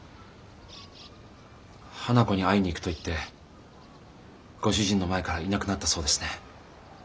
花子に会いに行くと言ってご主人の前からいなくなったそうですね。